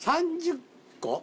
３０個？